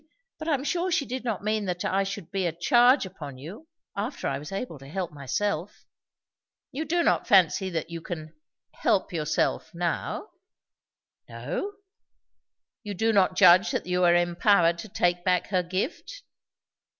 But I am sure she did not mean that I should be a charge upon you, after I was able to help myself." "You do not fancy that you can 'help yourself' now?" "No." "You do not judge that you are empowered to take back her gift?"